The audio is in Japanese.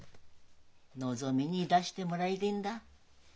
のぞみに出してもらいてえんだ。